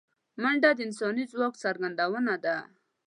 منډه د انساني ځواک څرګندونه ده